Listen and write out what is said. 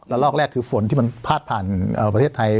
ลอกแรกคือฝนที่มันพาดผ่านประเทศไทย